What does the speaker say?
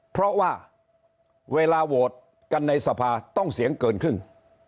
เพราะว่าเวลาโหวตกันในสภาต้องเสียงเกินครึ่ง